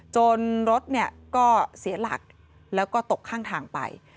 รถก็เสียหลักแล้วก็ตกข้างทางไป